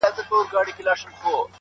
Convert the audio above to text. د ولایتونو دفاع کې نده کړې